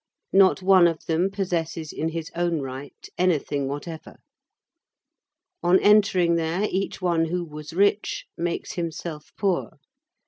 Not one of them possesses in his own right anything whatever. On entering there, each one who was rich makes himself poor.